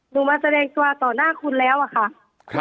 มาแสดงตัวต่อหน้าคุณแล้วอะค่ะ